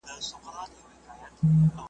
یوه ورځ هم پر غلطه نه وو تللی `